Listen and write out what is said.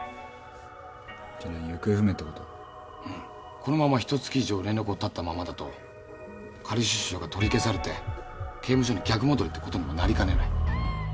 このままひと月以上連絡を絶ったままだと仮出所が取り消されて刑務所に逆戻りってことにもなりかねない。